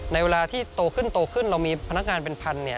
ในเวลาที่โตขึ้นเรามีพนักงานเป็นพันธุ์